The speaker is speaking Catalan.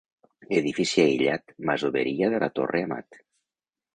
Edifici aïllat, masoveria de la Torre Amat.